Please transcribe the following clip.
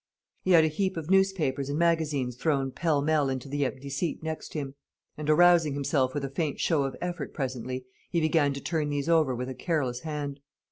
He had a heap of newspapers and magazines thrown pell mell into the empty seat next him; and arousing himself with a faint show of effort presently, he began to turn these over with a careless hand.